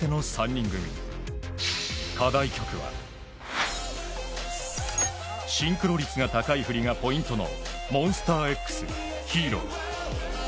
課題曲は、シンクロ率が高い振りがポイントのＭＯＮＳＴＡＸ、『ＨＥＲＯ』。